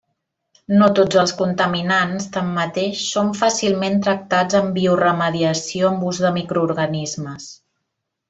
No tots els contaminants, tanmateix, són fàcilment tractats amb bioremediació amb ús de microorganismes.